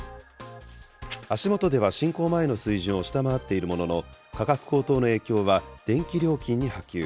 足元では侵攻前の水準を下回っているものの、価格高騰の影響は電気料金に波及。